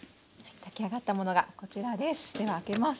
炊き上がったものがこちらです。